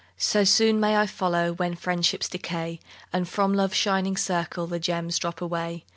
So soon may I follow, When friendships decay, And from Love's shining circle The gems drop away.